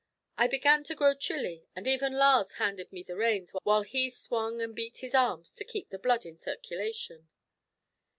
I began to grow chilly, and even Lars handed me the reins, while he swung and beat his arms to keep the blood in circulation.